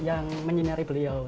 yang menyinari beliau